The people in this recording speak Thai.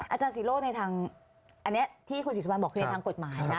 อาจารย์ศิโร่ในทางอันนี้ที่คุณศรีสุวรรณบอกคือในทางกฎหมายนะ